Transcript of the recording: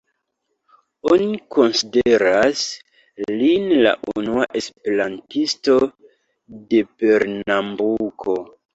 Oni konsideras lin la unua esperantisto de Pernambuko.